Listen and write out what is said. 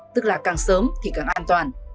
tức là càng sớm thì càng an toàn